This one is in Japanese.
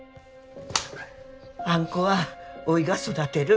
あん子はおいが育てる